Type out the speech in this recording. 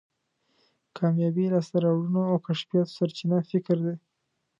کامیابی، لاسته راوړنو او کشفیاتو سرچینه فکر دی.